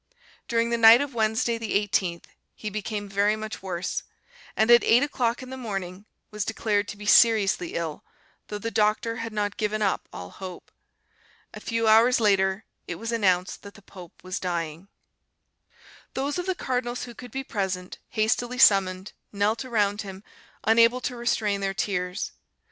During the night of Wednesday, the 18th, he became very much worse, and at eight o'clock in the morning was declared to be seriously ill, though the doctor had not given up all hope. A few hours later it was announced that the pope was dying. [*] "Tell the cardinal to get well, for when he is ill I am ill too." Those of the cardinals who could be present, hastily summoned, knelt around him, unable to restrain their tears.